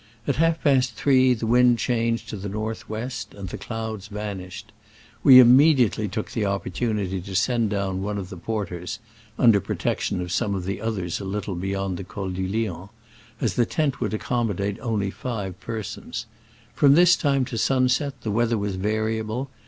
At half past three the wind changed to the north west, and the clouds vanished. We immedi ately took the opportunity to send down one of the porters (under protection of some of the others a little beyond the Col du Lion), as the tent would accom modate only five persons. From this time to sunset the weather was variable.